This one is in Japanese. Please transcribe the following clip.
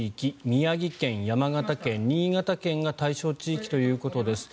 宮城県、山形県、新潟県が対象地域ということです。